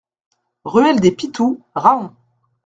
Ruelle des Pitoux, Rahon